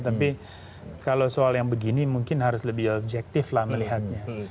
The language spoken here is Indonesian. tapi kalau soal yang begini mungkin harus lebih objektif lah melihatnya